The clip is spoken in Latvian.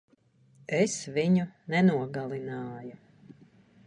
Es viņu nenogalināju.